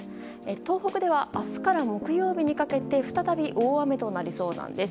東北では明日から木曜日にかけて再び大雨となりそうなんです。